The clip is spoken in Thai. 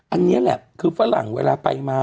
อันนี้แหละคือฝรั่งเวลาไปมา